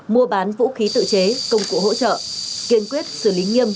mua bán vũ khí tự chế công cụ hỗ trợ kiên quyết xử lý nghiêm